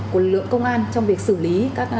của lượng công an trong việc xử lý